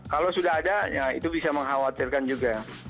kalau sudah ada ya itu bisa mengkhawatirkan juga